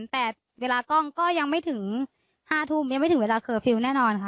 แต่เวลากล้องก็ยังไม่ถึง๕ทุ่มยังไม่ถึงเวลาเคอร์ฟิลล์แน่นอนค่ะ